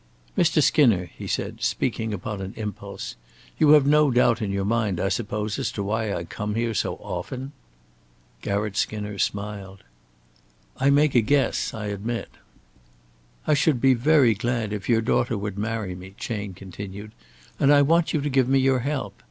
"Mr. Skinner," he said, speaking upon an impulse, "you have no doubt in your mind, I suppose, as to why I come here so often." Garratt Skinner smiled. "I make a guess, I admit." "I should be very glad if your daughter would marry me," Chayne continued, "and I want you to give me your help.